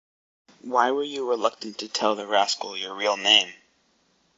Why were you reluctant to tell the rascal your real name?